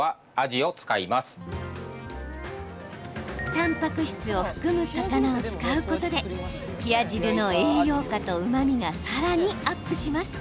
たんぱく質を含む魚を使うことで冷や汁の栄養価とうまみがさらにアップします。